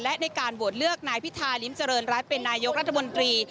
และในการโหวตเลือกนายพิธาริมเจริญรัฐเป็นนายกรัฐมนตรี